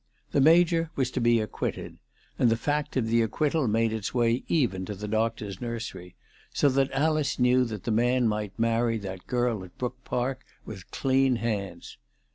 The Major was to be acquitted, and the fact of the ac quittal made its way even to the doctor's nursery ; so that Alice knew that the man might marry that girl at Brook Park with clean hands.